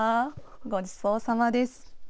ごちそうさまです。